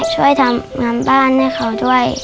ช่วยทำงานบ้านให้เขาด้วย